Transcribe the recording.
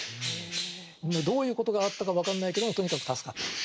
どういうことがあったか分かんないけどもとにかく助かったと。